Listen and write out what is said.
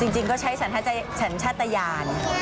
จริงก็ใช้สัญชาติยาน